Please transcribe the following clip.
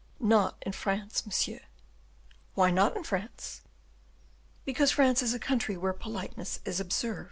"Not in France, monsieur." "Why not in France?" "Because France is a country where politeness is observed."